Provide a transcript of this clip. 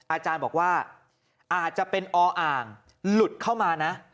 อาจารย์บอกว่าอาจจะเป็นออ่างหลุดเข้ามานะ